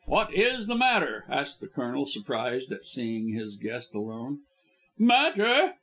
"What is the matter?" asked the Colonel surprised at seeing his guest alone. "Matter!"